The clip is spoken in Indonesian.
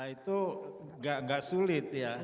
lima itu enggak sulit ya